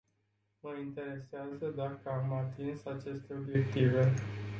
Mă interesează dacă am atins aceste obiective.